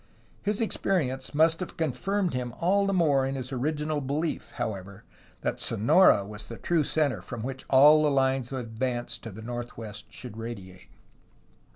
His experience must have confirmed him all the more in his original behef, however, that Sonora was the true centre from which all the hnes of advance to the northwest should radiate.